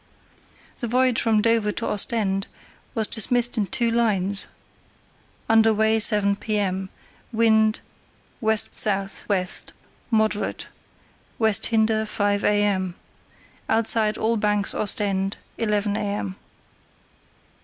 The voyage from Dover to Ostend was dismissed in two lines: "Under way 7 p.m., wind W.S.W. moderate; West Hinder 5 a.m., outside all banks; Ostend 11 a.m."